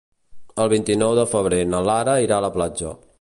El vint-i-nou de febrer na Lara irà a la platja.